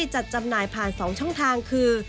จำหน่ายผ่าน๒ช่องทางคือ